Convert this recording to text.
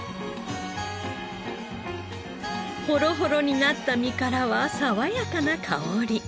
ほろほろになった身からは爽やかな香り。